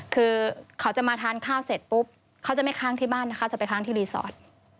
คือเขาจะมาทานข้าวเสร็จปุ๊บเขาจะไม่ค้างที่บ้านนะคะจะไปค้างที่รีสอร์ท